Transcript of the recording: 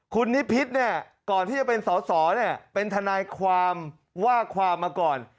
คุณนิพิษเนี่ยก่อนที่จะเป็นสอสอเนี่ยเป็นทนายความว่าความมาก่อน